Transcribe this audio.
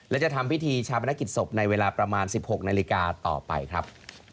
และจะทำพิธีชาปนกิจศพในเวลาประมาณ๑๖นาฬิกาต่อไปครับ